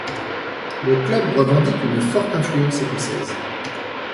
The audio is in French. Le club revendique une forte influence écossaise.